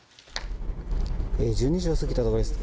１２時を過ぎたところです。